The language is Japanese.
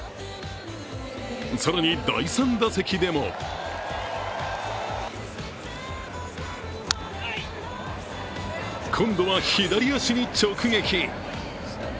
更に第３打席でも今度は左足に直撃。